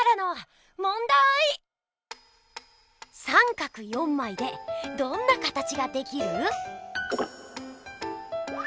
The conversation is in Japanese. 三角４まいでどんなかたちができる？